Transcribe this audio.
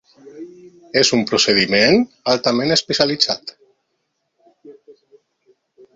És un procediment altament especialitzat.